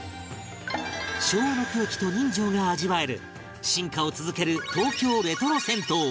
昭和の空気と人情が味わえる進化を続ける東京レトロ銭湯